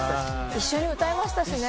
一緒に歌いましたしね。